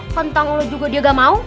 kentang lu juga dia gak mau